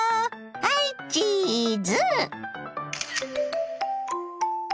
はいチーズ！